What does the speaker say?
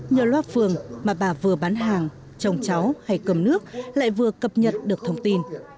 nhờ loa phường mà bà vừa bán hàng chồng cháu hay cầm nước lại vừa cập nhật được thông tin